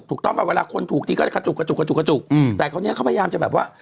อุ้ยเล่มนึงเยอะนะ